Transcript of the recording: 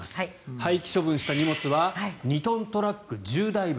廃棄処分した荷物は２トントラック１０台分。